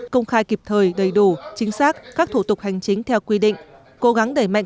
công khai kịp thời đầy đủ chính xác các thủ tục hành chính theo quy định cố gắng đẩy mạnh